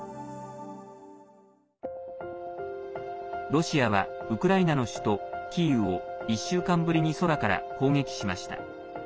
ロシアはウクライナの首都キーウを１週間ぶりに空から攻撃しました。